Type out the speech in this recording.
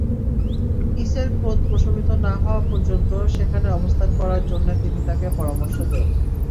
ঈসের ক্রোধ প্রশমিত না হওয়া পর্যন্ত সেখানে অবস্থান করার জন্যে তিনি তাকে পরামর্শ দেন।